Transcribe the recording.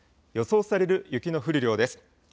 予想される雪の降る量です。